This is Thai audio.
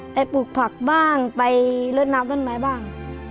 ปลูกผักบ้างไปลดน้ำต้นไม้บ้าง